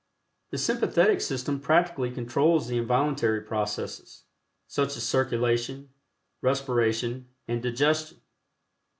The Sympathetic System practically controls the involuntary processes, such as circulation, respiration and digestion.